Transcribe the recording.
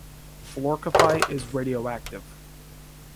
Fluorcaphite is radioactive.